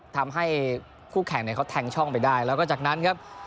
ทำให้คู่แข่งเนี่ยเขาแทงช่องไปได้แล้วก็จากนั้นครับ